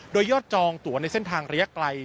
โดยยอดจองตัวในเส้นทางระยะไกล